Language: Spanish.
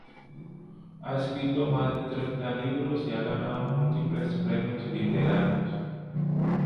Ha escrito más de treinta libros y ha ganado múltiples premios literarios.